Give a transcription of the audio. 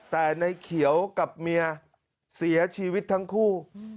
แต่ในเขียวกับเมียเสียชีวิตทั้งคู่